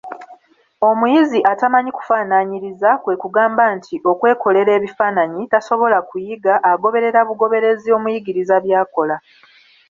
Omuyizi atamanyi kufaanaanyiriza, kwe kugamba nti: okwekolera ebifaananyi, tasobola kuyiga, agoberera bugoberezi omuyigiriza by'akola.